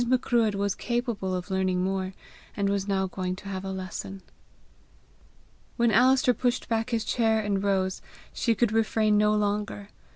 Macruadh was capable of learning more, and was now going to have a lesson. When Alister pushed back his chair and rose, she could refrain no longer.